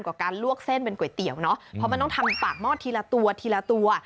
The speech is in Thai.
การลวกเส้นเป็นก๋วยเตี๋ยวเนอะเพราะมันต้องทำปากหม้อทีละตัวทีละตัว